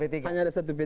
hanya ada satu p tiga